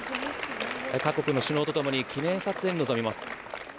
各国の首脳とともに記念撮影に臨みます。